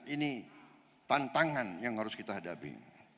ini tantangan yang harus kita hadapi